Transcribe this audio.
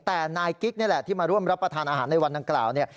แต่นายกิ๊กนี่แหละที่มาร่วมรับประทานอาหารในวันดังกล่าวเนี่ย